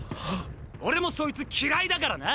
俺もそいつ嫌いだからな！